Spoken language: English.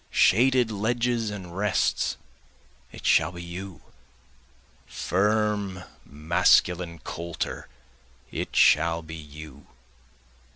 Shaded ledges and rests it shall be you! Firm masculine colter it shall be you!